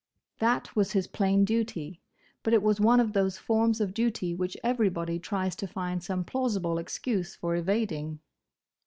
That was his plain duty; but it was one of those forms of duty which everybody tries to find some plausible excuse for evading.